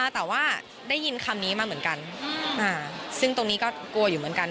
แต่ว่าได้ยินคำนี้มาเหมือนกันซึ่งตรงนี้ก็กลัวอยู่เหมือนกัน